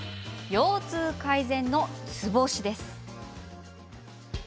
腰痛改善のツボ押しです。